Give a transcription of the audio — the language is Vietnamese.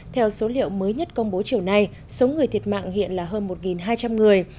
theo số liệu mới nhất công bố chiều nay số người thiệt mạng hiện là hơn một hai trăm linh người